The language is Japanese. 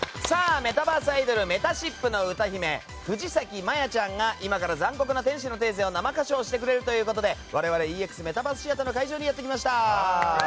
メタバースアイドルめたしっぷの歌姫藤咲まやちゃんが今から「残酷な天使のテーゼ」を生歌唱してくれるということでＥＸメタバースシアターの会場にやってきました。